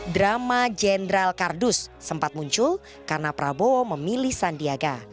drama jenderal kardus sempat muncul karena prabowo memilih sandiaga